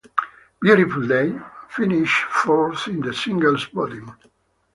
"Beautiful Day" finished fourth in the singles voting.